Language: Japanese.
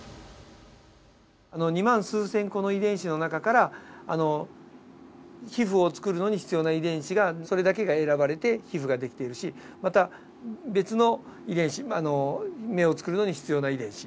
２万数千個の遺伝子の中から皮膚を作るのに必要な遺伝子それだけが選ばれて皮膚ができているしまた別の遺伝子目を作るのに必要な遺伝子。